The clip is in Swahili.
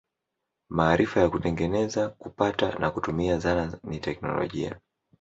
Maarifa ya kutengeneza, kupata na kutumia zana ni teknolojia.